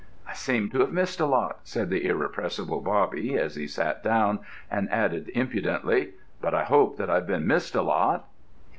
"I seem to have missed a lot," said the irrepressible Bobby, as he sat down, and added impudently, "but I hope that I've been missed a lot?"